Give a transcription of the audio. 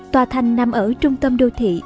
tòa thành nằm ở trung tâm đô thị